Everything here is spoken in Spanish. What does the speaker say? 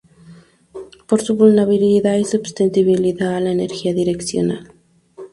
Por su vulnerabilidad y susceptibilidad a la energía direccional.